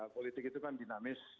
politik itu kan dinamis